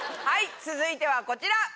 はい続いてはこちら。